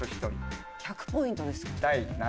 １００ポイントですもんね。